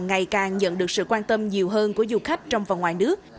ngày càng nhận được sự quan tâm nhiều hơn của du khách trong và ngoài nước